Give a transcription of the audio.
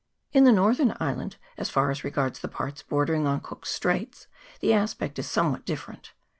In the northern island, as far as regards the parts bordering on Cook's Straits, the aspect is somewhat different.